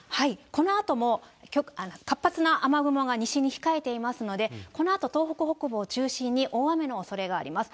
このあとも活発な雨雲が西に控えていますので、このあと東北北部を中心に大雨のおそれがあります。